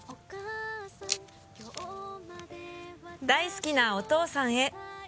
「大好きなお父さんへ」